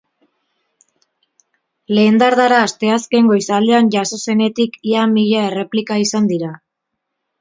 Lehen dardara asteazken goizaldean jazo zenetik, ia mila erreplika izan dira.